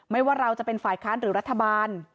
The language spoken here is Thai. ว่าเราจะเป็นฝ่ายค้านหรือรัฐบาล